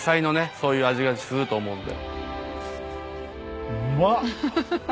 そういう味がすると思うんで。